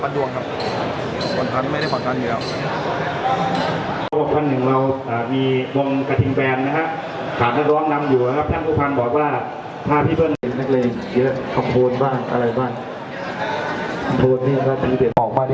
วัดดวงครับ